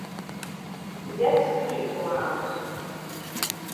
You get spirit for haus?